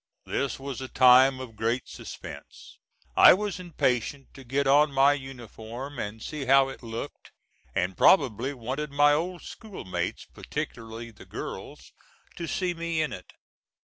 This was a time of great suspense. I was impatient to get on my uniform and see how it looked, and probably wanted my old school mates, particularly the girls, to see me in it.